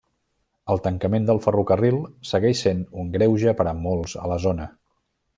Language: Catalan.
El tancament del ferrocarril segueix sent un greuge per a molts a la zona.